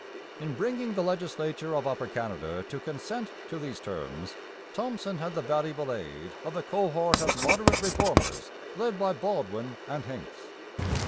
In bringing the legislature of Upper Canada to consent to these terms Thomson had the valuable aid of the cohort of Moderate Reformers led by Baldwin and Hincks.